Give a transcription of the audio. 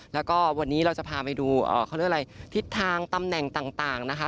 แล้วก็วันนี้เราจะพาไปดูเขาเรียกอะไรทิศทางตำแหน่งต่างนะคะ